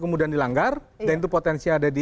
kemudian dilanggar dan itu potensi ada di